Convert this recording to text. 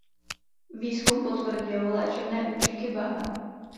Výzkum potvrdil léčebné účinky bahna.